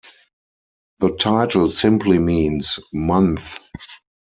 The title simply means "month".